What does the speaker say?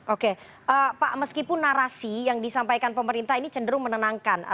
oke pak meskipun narasi yang disampaikan pemerintah ini cenderung menenangkan